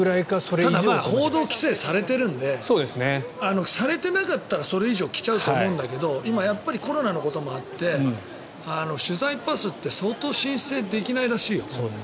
ただ報道規制されているのでされていなかったらそれ以上来ちゃうと思うんだけど今、コロナのこともあって取材パスって相当、申請できないらしいよ。